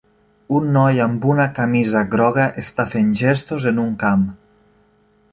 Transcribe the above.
Un noi amb una camisa groga està fent gestos en un camp.